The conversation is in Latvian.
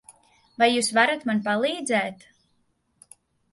Vai jūs varat man palīdzēt?